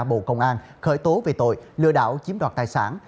bộ công an khởi tố về tội lừa đảo chiếm đoạt tài sản